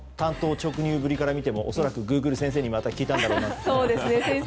直入ぶりから見てもまたグーグル先生に聞いたんだろうなと。